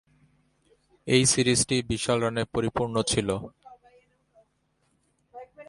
এ সিরিজটি বিশাল রানে পরিপূর্ণ ছিল।